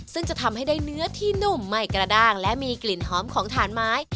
ซึ่งจะทำให้ได้เนื้อที่นุ่มไม่กระด้างและมีกลิ่นหอมของถ่านไม้